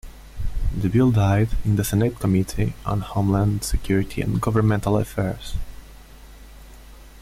The bill died in the Senate Committee on Homeland Security and Governmental Affairs.